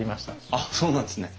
あっそうなんですね。